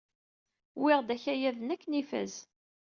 Wwiɣ-d akayad-nni akken ifaz.